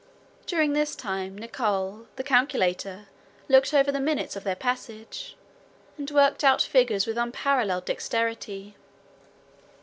During this time Nicholl, the calculator, looked over the minutes of their passage, and worked out figures with unparalleled dexterity.